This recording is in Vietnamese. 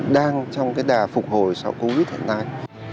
đang trong cái đà phục hồi sau covid hiện nay